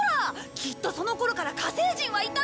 きっとその頃から火星人はいたんだ！